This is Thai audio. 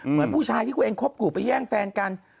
เหมือนผู้ชายที่ตัวเองคบกู่ไปแย่งแฟนกัน